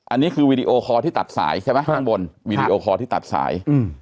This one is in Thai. อันนี้คือวีดีโอคอร์ที่ตัดสายใช่ไหมข้างบนวีดีโอคอร์ที่ตัดสาย